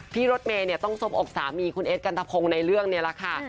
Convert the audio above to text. พี่รดเมย์เนี่ยต้องซบอกสามีคุณเอสกันทพงในเรื่องนี่แหละค่ะ